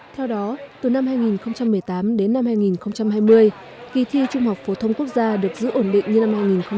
theo đó từ năm hai nghìn một mươi tám đến năm hai nghìn hai mươi kỳ thi trung học phổ thông quốc gia được giữ ổn định như năm hai nghìn một mươi tám